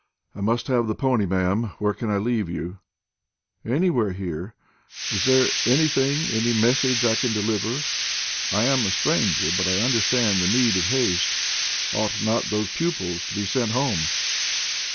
"I must have the pony, ma'am. Where can I leave you?" "Anywhere here. Is there anything any message I can deliver? I am a stranger, but I understand the need of haste. Ought not those pupils to be sent home?"